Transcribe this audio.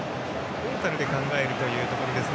トータルで考えるということですね。